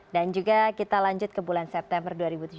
dan juga kita lanjut ke bulan september dua ribu tujuh belas